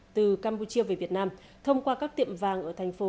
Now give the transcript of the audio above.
từ campuchia về việt nam thông qua các tiệm vàng ở thành phố